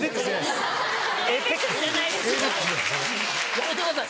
やめてください。